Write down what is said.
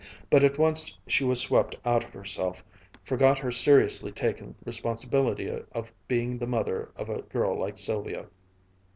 But at once she was swept out of herself, forgot her seriously taken responsibility of being the mother of a girl like Sylvia.